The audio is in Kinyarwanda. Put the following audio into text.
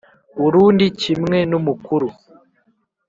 Urundi kimwe n umukuru